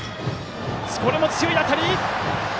これも強い当たり！